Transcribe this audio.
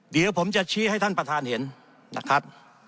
เดี๋ยวผมจะชี้ให้ท่านประธานเห็นนะครับ